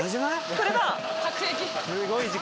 これだ！